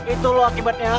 itu loh akibatnya